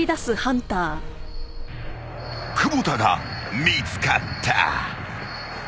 ［久保田が見つかった］